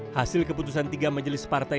hasil keputusan tiga majelis partai